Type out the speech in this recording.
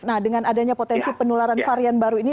nah dengan adanya potensi penularan varian baru ini